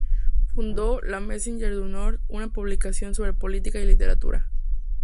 Fundó "Le Messager du Nord", una publicación sobre política y literatura.